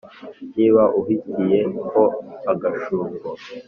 niba uhutiye ho agashungo